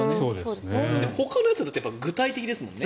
ほかのやつだと具体的ですもんね。